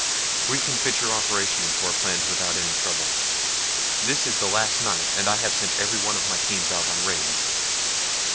We can fit your operation into our plans without any trouble. This is the last night and I have sent every one of my teams out on raids.